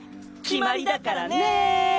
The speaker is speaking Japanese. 決まりだからね！